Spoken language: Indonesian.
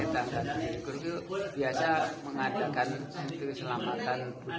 tradisi ini merupakan ungkapan rasa syukur